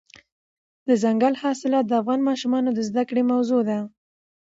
دځنګل حاصلات د افغان ماشومانو د زده کړې موضوع ده.